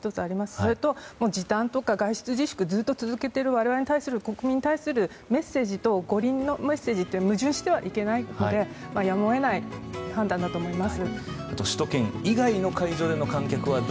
それと、時短とか外出自粛をずっと続けている国民に対するメッセージと五輪のメッセージは矛盾してはいけないのでやむを得ない判断だと思います。